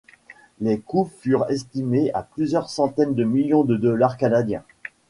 Les coûts furent estimés à plusieurs centaines de millions de dollars canadiens.